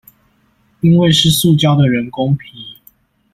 因為是塑膠的人工皮